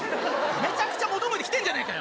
めちゃくちゃ求めてきてんじゃねぇかよ。